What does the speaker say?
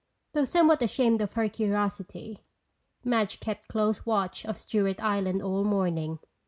Though somewhat ashamed of her curiosity, Madge kept close watch of Stewart Island all morning.